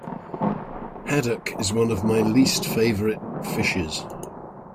Haddock is one of my least favourite fishes